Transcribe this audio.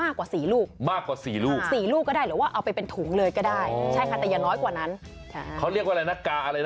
เขาเรียกว่าอะไรนะกาอะไรนะ